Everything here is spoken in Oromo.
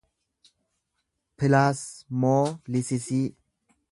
pilaasmoolisisii